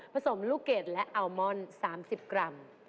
สมลูกเกดและอัลมอน๓๐กรัม